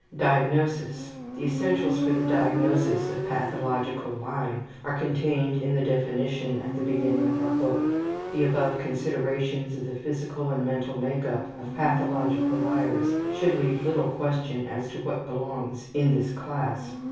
DIAGNOSIS The essentials for the diagnosis of pathological lying are contained in the definition at the beginning of our book. The above considerations of the physical and mental make up of pathological liars should leave little question as to what belongs in this class.